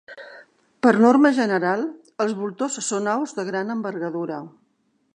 Per norma general, els voltors són aus de gran envergadura.